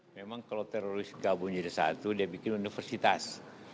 memang kalau teroris gabung jadi satu dia bikin universitas